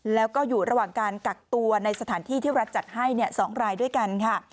แล้วก็อยู่ระหว่างการกักตัวในสถานที่ที่รัฐจัดให้๒รายด้วยกันค่ะ